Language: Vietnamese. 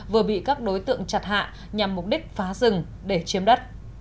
vừa bị các đối tượng chặt hạ nhằm mục đích phá rừng để chiếm đất